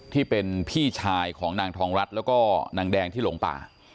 ที่เป็นพี่ชายของนางทองรัฐแล้วก็นางแดงที่หลงป่า